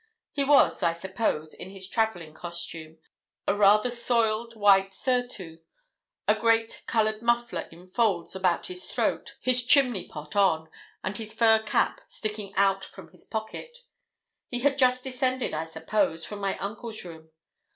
He was, I suppose, in his travelling costume a rather soiled white surtout, a great coloured muffler in folds about his throat, his 'chimney pot' on, and his fur cap sticking out from his pocket. He had just descended, I suppose, from my uncle's room.